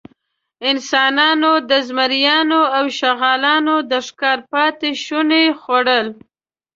انسانانو د زمریانو او شغالانو د ښکار پاتېشوني خوړل.